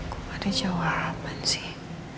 kok ada jawaban sih